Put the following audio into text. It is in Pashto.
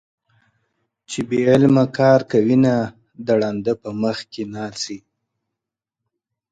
چې بې علمه کار کوينه - د ړانده په مخ کې ناڅي